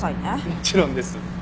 もちろんです。